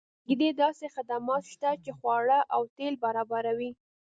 نږدې داسې خدمات شته چې خواړه او تیل برابروي